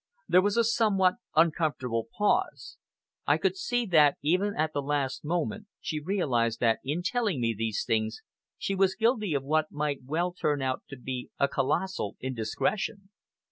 There was a somewhat uncomfortable pause. I could see that, even at the last moment, she realized that, in telling me these things, she was guilty of what might well turn out to be a colossal indiscretion.